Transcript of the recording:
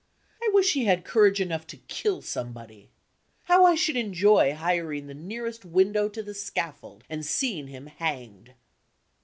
I wish he had courage enough to kill somebody. How I should enjoy hiring the nearest window to the scaffold, and seeing him hanged!